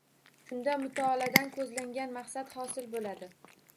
Shunda mutolaadan ko‘zlangan maqsad hosil bo‘ladi.